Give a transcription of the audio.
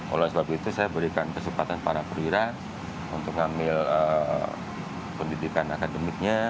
oleh sebab itu saya berikan kesempatan para perwira untuk ngambil pendidikan akademiknya